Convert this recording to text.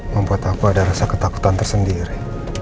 membuat aku ada rasa ketakutan tersendiri